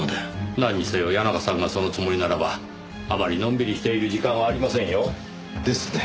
なんにせよ谷中さんがそのつもりならばあまりのんびりしている時間はありませんよ。ですね。